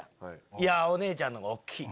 「いやお姉ちゃんのほうが大きい」